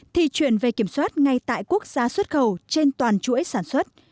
thì chuyển về kiểm soát ngay tại quốc gia xuất khẩu trên toàn chuỗi sản xuất